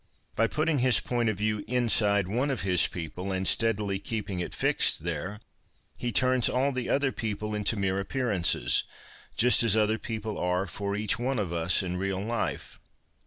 By putting his point of view inside one of his people and steadily keeping it fixed there, he turns all the other people into mere appearances — just as other people are for each one of us in real life.